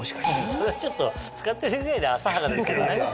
それはちょっと使ってるぐらいで浅はかですけどね。